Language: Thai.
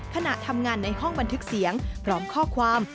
ขณะทำงานในห้องบันทึกเสียงพร้อมข้อความ